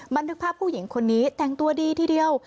บันทึกภาพผู้หญิงคนนี้แต่งตัวดีทีเดียว